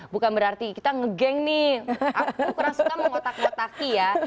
bukan berarti kita nge gang nih aku kurang suka mengotak otaki ya